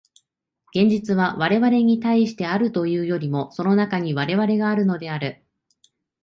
現実は我々に対してあるというよりも、その中に我々があるのである。